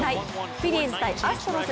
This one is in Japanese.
フィリーズ×アストロズ。